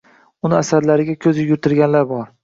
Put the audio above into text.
Uni asarlariga ko’z yugurtirganlar bor.